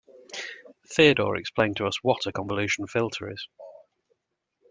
Theodore explained to us what a convolution filter is.